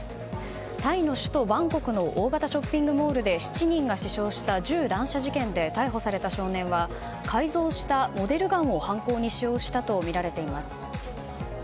タイの首都バンコクの大型ショッピングモールで７人が死傷した銃乱射事件で逮捕された少年は改造したモデルガンを犯行に使用したとみられています。